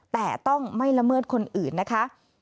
แต่ต้องไม่ละเมิดคนอื่นนะคะ